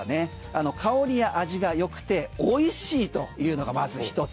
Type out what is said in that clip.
あの香りや味が良くて美味しいというのがまず一つ。